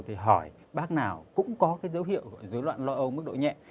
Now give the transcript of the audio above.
thì hỏi bác nào cũng có cái dấu hiệu gọi dối loạn lo âu mức độ nhẹ